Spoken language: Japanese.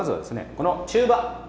この中羽。